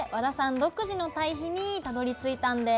独自のたい肥にたどりついたんです。